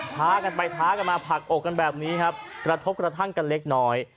ท้ากันไปท้ากันมาผลักอกกันแบบนี้ครับกระทบกระทั่งกันเล็กน้อย